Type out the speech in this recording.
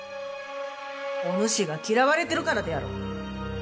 おぬしが嫌われてるからであろう。